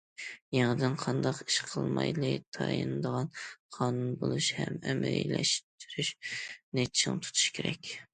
يېڭىدىن قانداق ئىش قىلمايلى تايىنىدىغان قانۇن بولۇش ھەم ئەمەلىيلەشتۈرۈشنى چىڭ تۇتۇش كېرەك.